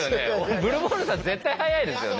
ブルボンヌさん絶対速いですよね。